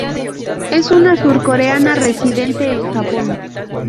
Es una surcoreana residente en Japón.